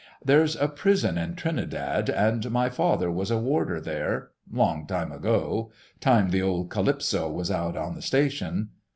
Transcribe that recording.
"There's a prison at Trinidad, and my father was a warder there ... long time ago: time the old Calypso was out on the station...."